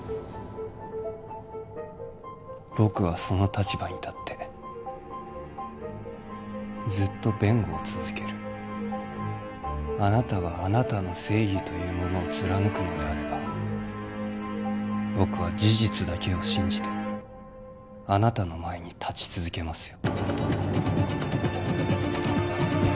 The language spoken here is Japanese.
僕はその立場に立ってずっと弁護を続けるあなたがあなたの正義というものを貫くのであれば僕は事実だけを信じてあなたの前に立ち続けますよ